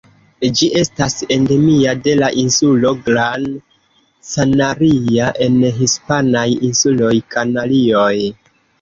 Ĝi estas endemia de la insulo Gran Canaria en hispanaj insuloj Kanarioj.